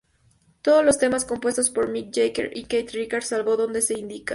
Todos los temas compuestos por Mick Jagger y Keith Richards salvo donde se indica.